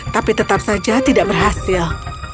tapi tetap saja tidak berhasil